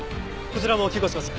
こちらも急行します。